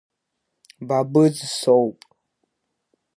Бабыз соуп…